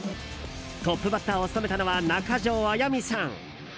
トップバッターを務めたのは中条あやみさん。